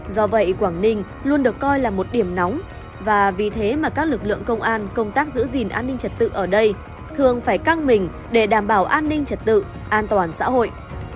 do vậy quảng ninh luôn được coi là một điểm nóng và vì thế mà các lực lượng công an công tác giữ gìn an ninh trật tự ở đây thường phải căng mình để đảm bảo an ninh trật tự an toàn xã hội